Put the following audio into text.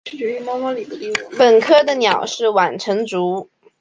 本科的鸟是晚成雏。